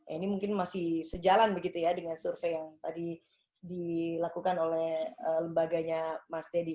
ini mungkin masih sejalan begitu ya dengan survei yang tadi dilakukan oleh lembaganya mas deddy